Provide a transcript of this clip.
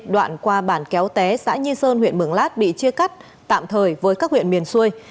đoạn qua bản kéo té xã nhi sơn huyện mường lát bị chia cắt tạm thời với các huyện miền xuôi